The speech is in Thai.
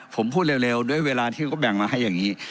ผมพูดเร็วด้วยเวลาที่เขาก็แบ่งมาให้อย่างนี้